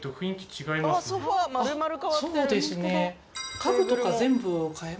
そうですね。